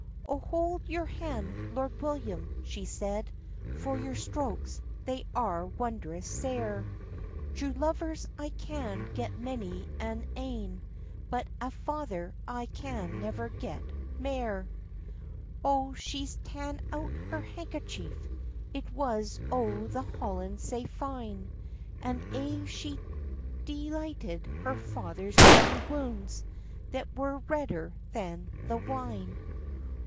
"O hold your hand, Lord William!" she said, "For your strokes they are wondrous sair; True lovers I can get many a ane, But a father I can never get mair."— O she's ta'en out her handkerchief, It was o' the holland sae fine, And aye she dighted her father's bloody wounds, That were redder than the wine.